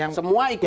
yang semua ikut